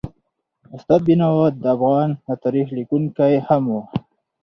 استاد بینوا د افغان تاریخ لیکونکی هم و.